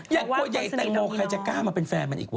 อย่างตัวใหญ่แตงโมใครจะกล้ามาเป็นแฟนมันอีกวะ